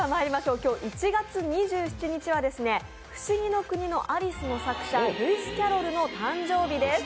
今日１月２７日は、「ふしぎの国のアリス」の作者ルイス・キャロルの誕生日です。